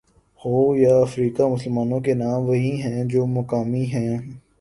ہو یا افریقہ مسلمانوں کے نام وہی ہیں جو مقامی ہیں۔